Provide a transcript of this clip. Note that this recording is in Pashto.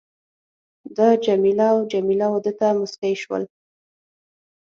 ده جميله او جميله وه ده ته مسکی شول.